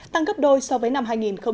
tăng gấp đôi so với năm hai nghìn một mươi tám